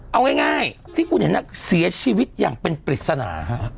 เอาง่ายที่คุณเห็นน่ะเสียชีวิตอย่างเป็นปริศนา